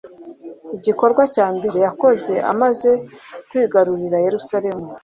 igikorwa cya mbere yakoze amaze kwigarurira yerusalemu